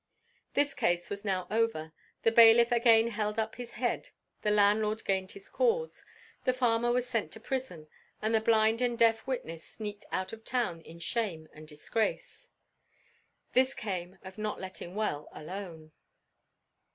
This case was now over; the bailiff again held up his head; the landlord gained his cause; the farmer was sent to prison, and the blind and deaf witness sneaked out of town in shame and disgrace. This came of not letting well alone.